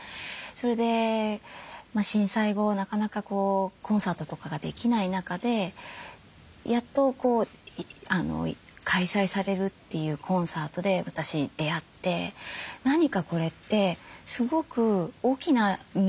それで震災後なかなかコンサートとかができない中でやっと開催されるっていうコンサートで私出会って何かこれってすごく大きな意味があるなって思ったんですね。